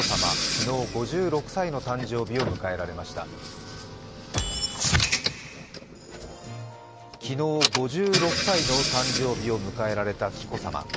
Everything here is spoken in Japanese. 昨日５６歳の誕生日を迎えられた紀子さま。